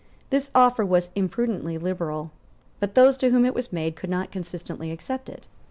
This offer was imprudently liberal; but those to whom it was made could not consistently accept it.